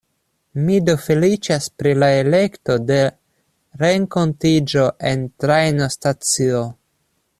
Mi do feliĉas pri la elekto de renkontiĝo en trajnostacio.